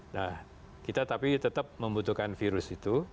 nah kita tapi tetap membutuhkan virus itu